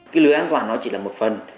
cái lưới an toàn nó chỉ là một phần